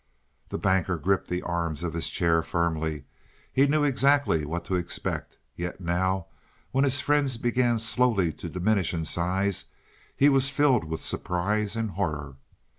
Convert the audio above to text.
The Banker gripped the arms of his chair firmly. He knew exactly what to expect, yet now when his friends began slowly to diminish in size he was filled with surprise and horror.